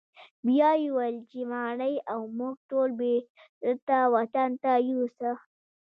بیا یې وویل چې ماڼۍ او موږ ټول بیرته وطن ته یوسه.